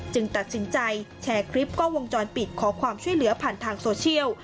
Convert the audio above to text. ตัดสินใจแชร์คลิปกล้องวงจรปิดขอความช่วยเหลือผ่านทางโซเชียล